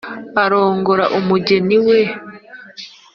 arongora umugeni we